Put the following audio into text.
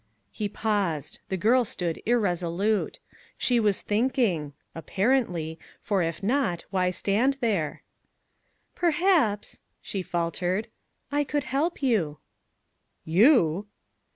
He paused. The girl stood irresolute. She was thinking (apparently, for if not, why stand there?). "Perhaps," she faltered, "I could help you." "You!"